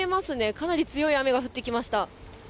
かなり強い雨が降ってきました。